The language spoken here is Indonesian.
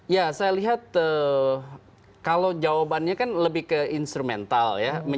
ya saya lihat kalau jawabannya kan lebih ke instrumental ya